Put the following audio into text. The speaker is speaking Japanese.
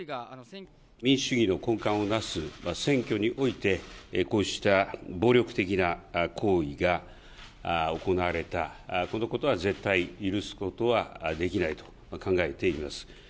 民主主義の根幹をなす選挙において、こうした暴力的な行為が行われた、このことは絶対許すことはできないと考えています。